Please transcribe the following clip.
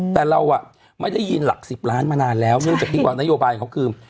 แต่เราไม่ได้ยินหลัก๑๐ล้านมานานแล้วเนื่องจากที่ว่านโยบายของเขาคือ